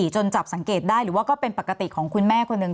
จนจับสังเกตได้หรือว่าก็เป็นปกติของคุณแม่คนหนึ่ง